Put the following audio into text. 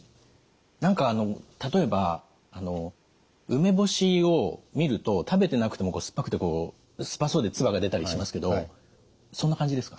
何かあの例えば梅干しを見ると食べてなくてもこう酸っぱそうで唾が出たりしますけどそんな感じですか？